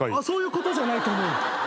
そういうことじゃないと思う。